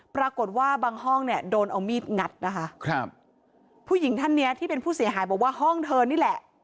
บางห้องเนี่ยโดนเอามีดงัดนะคะครับผู้หญิงท่านเนี้ยที่เป็นผู้เสียหายบอกว่าห้องเธอนี่แหละ